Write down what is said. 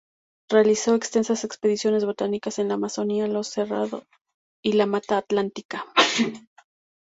Realizó extensas expediciones botánicas en la Amazonia, los Cerrado, y la Mata Atlántica.